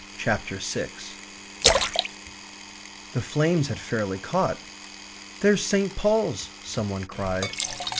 CHAPTER SIX The flames had fairly caught. "There's St. Paul's!" some one cried.